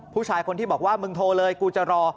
ผู้ชายคนที่บอกว่ามึงโทรเลยกูจะรอ